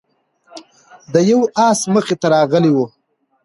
د یو آس مخې ته راغلی و،